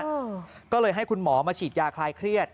อืมก็เลยให้คุณหมอมาฉีดยาคลายเครียด